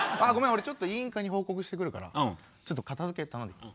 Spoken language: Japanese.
俺ちょっと委員会に報告してくるからちょっと片づけ頼んでいい？